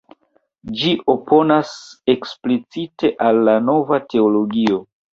Ĝi oponas eksplicite al la Nova Teologio.